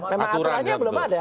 memang aturannya belum ada